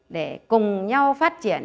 để cùng nhau phát triển